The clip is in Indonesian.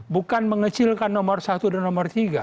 bukan mengecilkan nomor satu dan nomor tiga